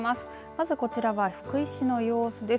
まずこちらは福井市の様子です。